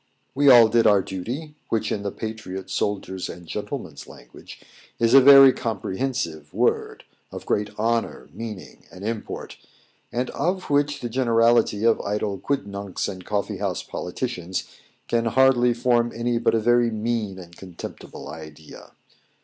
We all did our duty, which, in the patriot's, soldier's, and gentleman's language, is a very comprehensive word, of great honour, meaning, and import, and of which the generality of idle quidnuncs and coffee house politicians can hardly form any but a very mean and contemptible idea.